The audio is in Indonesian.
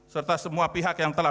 serta semua pihak yang telah